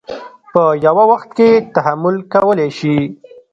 په یوه وخت کې تحمل کولی شي.